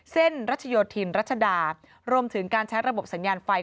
รัชโยธินรัชดารวมถึงการใช้ระบบสัญญาณไฟ